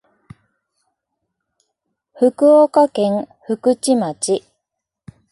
福岡県福智町